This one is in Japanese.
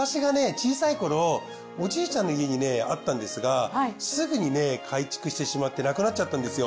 小さい頃おじいちゃんの家にねあったんですがすぐにね改築してしまってなくなっちゃったんですよ。